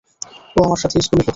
ও আমার সাথে স্কুলে পড়তো।